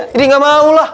jadi nggak maulah